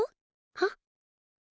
はっ？